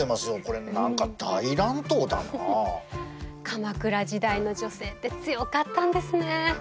鎌倉時代の女性って強かったんですね。